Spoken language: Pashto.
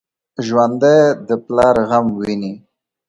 ژوندي د پلار غم ویني